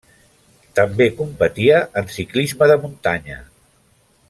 També competia en ciclisme de muntanya.